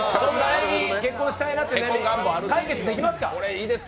結婚したいなって悩み、解決できますか。